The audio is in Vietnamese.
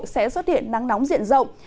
sẽ xuất hiện nắng nóng diện rộng